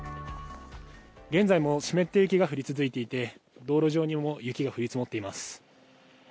現在も湿った雪が降り続いていて、道路上にも雪が降り積もっています。